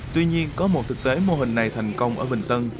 tuy nhiên có một thực tế mô hình này thành công ở bình tân